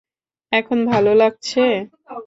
এখন ভালো লাগছে?